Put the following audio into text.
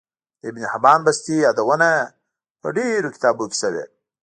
د ابن حبان بستي يادونه په ډیرو کتابونو کی سوی